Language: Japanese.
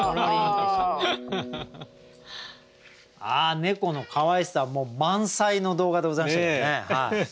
猫のかわいさ満載の動画でございましたけれどもね。